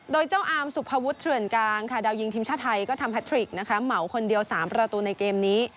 โดยเจ้าอารมณ์สุขภวุฒิเท่านกลางดาวยิงทีมช่าไทยทำฮาตริกเหมาคนเดียว๓ประตูในเกมนี้